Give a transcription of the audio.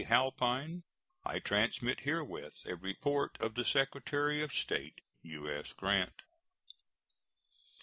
Halpine, I transmit herewith a report of the Secretary of State. U.S. GRANT.